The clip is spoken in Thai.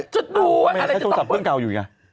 จะดูว่าอะไรจะต่อไป